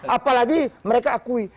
apalagi mereka akui